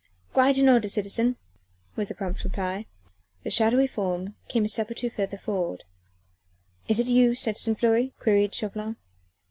"Quite in order, citizen!" was the prompt reply. The shadowy form came a step or two further forward. "Is it you, citizen Fleury?" queried Chauvelin.